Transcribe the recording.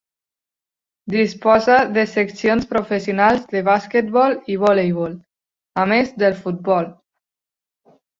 Disposa de seccions professionals de basquetbol i voleibol, a més del futbol.